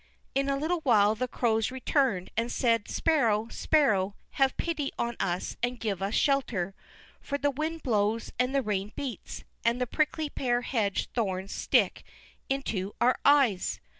In a little while the Crows returned and said: "Sparrow, Sparrow, have pity on us and give us shelter, for the wind blows and the rain beats, and the prickly pear hedge thorns stick into our eyes."